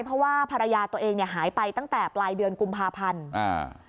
เพราะว่าภรรยาตัวเองเนี่ยหายไปตั้งแต่ปลายเดือนกุมภาพันธ์อ่า